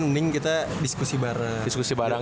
mending kita diskusi bareng